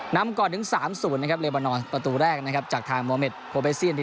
นำก่อนถึง๓๐นะครับเลบานอนประตูแรกนะครับจากทางโมเมดโคเบเซียนที่